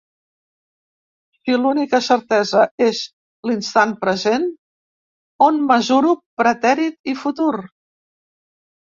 Si l’única certesa és l’instant present, on mesuro pretèrit i futur?